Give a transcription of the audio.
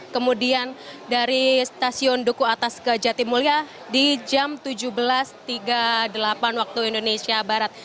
kemudian dari stasiun duku atas ke jatimulya di jam tujuh belas tiga puluh delapan waktu indonesia barat